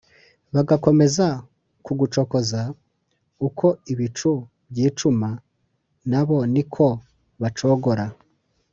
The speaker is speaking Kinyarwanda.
Bagakomeza kugucokoza Uko ibicu byicuma Nabo ni ko bacogora.